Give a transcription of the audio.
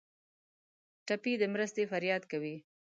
ټپي د مرستې فریاد کوي.